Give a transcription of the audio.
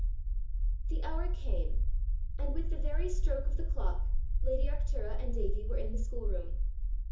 The hour came, and with the very stroke of the clock, lady Arctura and Davie were in the schoolroom.